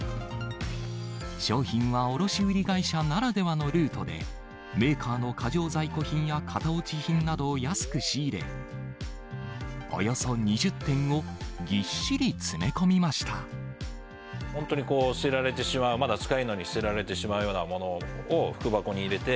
商品は卸売り会社ならではのルートで、メーカーの過剰在庫品や型落ち品などを安く仕入れ、およそ２０点本当に捨てられてしまう、まだ使えるのに捨てられてしまうようなものを福箱に入れて、